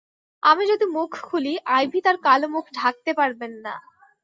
আমি যদি মুখ খুলি, আইভী তাঁর কালো মুখ ঢাকতে পারবেন না।